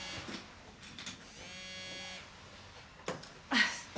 あっ。